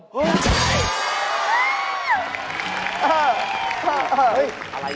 เฮ่ย